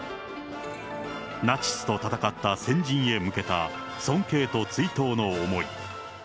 ナチスと戦った先人へ向けた尊敬と追悼の思い。